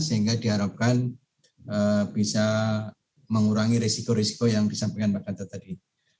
sehingga diharapkan bisa mengurangi risiko risiko yang disampaikan pak gatot tadi